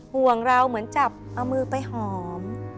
ห่วงเราเหมือนจับเอามือไปหอม